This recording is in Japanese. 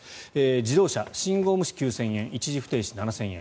自動車、信号無視、９０００円一時不停止、７０００円。